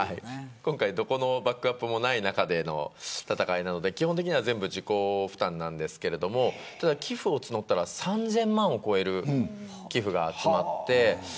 今回、どこのバックアップもない中での戦いなので基本的には全部自己負担なんですけれど寄付を募ったら、３０００万を超える寄付が集まって。